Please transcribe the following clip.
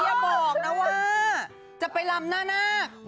อย่าบอกนะว่าจะไปลำหน้านาค